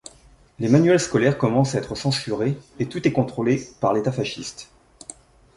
Les manuels scolaires commencent à être censurés et tout est contrôlé par l'État fasciste.